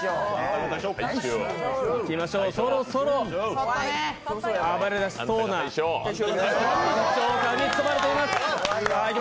そろそろ暴れ出しそうな緊張感に包まれています！